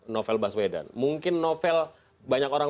novel baswedan mungkin novel banyak orang